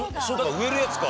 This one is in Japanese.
植えるやつが。